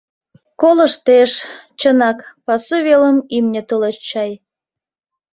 Колыштеш: чынак, пасу велым имне толеш чай.